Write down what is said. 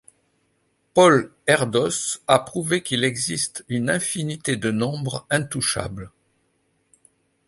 Paul Erdős a prouvé qu'il existe une infinité de nombres intouchables.